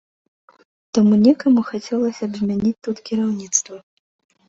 Таму некаму хацелася б змяніць тут кіраўніцтва.